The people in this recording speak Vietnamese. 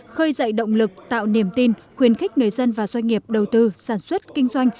khơi dậy động lực tạo niềm tin khuyến khích người dân và doanh nghiệp đầu tư sản xuất kinh doanh